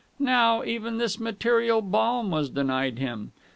Now, even this material balm was denied him.